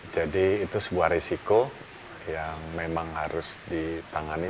jadi itu sebuah risiko yang memang harus ditangani